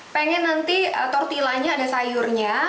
pengen nanti tortillanya ada sayurnya